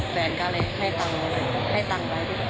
แฟนก็เลยคุณให้ตั้งเลย